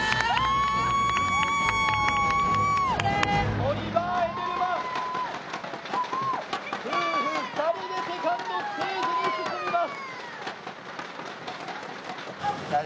オリバー・エデルマン、夫婦２人でセカンドステージに進みます。